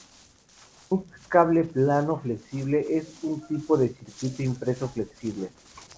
Un cable plano flexible es un tipo de circuito impreso flexible.